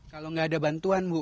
kalau nggak ada bantuan bu